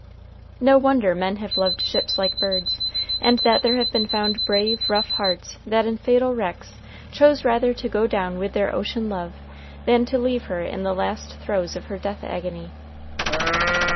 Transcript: No wonder men have loved ships like birds, and that there have been found brave, rough hearts that in fatal wrecks chose rather to go down with their ocean love than to leave her in the last throes of her death agony.